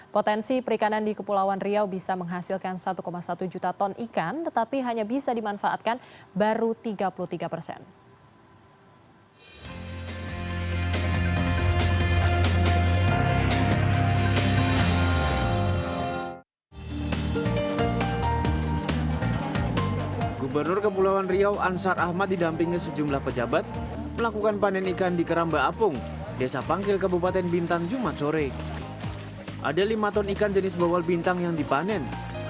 potensi perikanan di kepulauan riau bisa menghasilkan satu satu juta ton ikan tetapi hanya bisa dimanfaatkan baru tiga puluh tiga persen